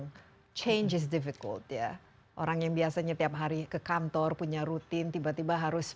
orang change is difficult ya orang yang biasanya tiap hari ke kantor punya rutin tiba tiba harus